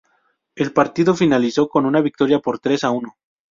El partido finalizó con una victoria por tres a uno.